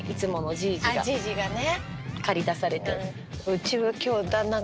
じいじがね。駆り出されてる。